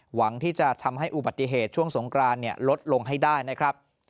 หวังที่จะทำให้อุบัติเหตุช่วงสงกรานลดลงให้ได้นะครับ